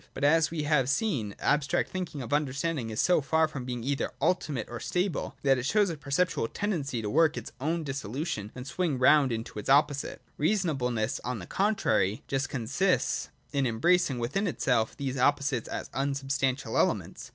But, as we have seen, the abstract thinking of understanding is so far from being either ultimate or stable, that it shows a perpetual tendency to work its own dissolution and swing round into its opposite. Reasonableness, on the contrary, just consists in embracing within itself these opposites as unsubstantial elements.